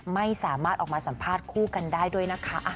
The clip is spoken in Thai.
ไม่สามารถออกมาสัมภาษณ์คู่กันได้ด้วยนะคะ